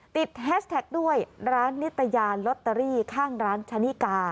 แฮชแท็กด้วยร้านนิตยาลอตเตอรี่ข้างร้านชะนิกา